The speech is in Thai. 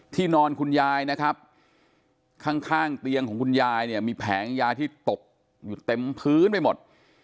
นอนคุณยายนะครับข้างเตียงของคุณยายเนี่ยมีแผงยาที่ตกอยู่เต็มพื้นไปหมด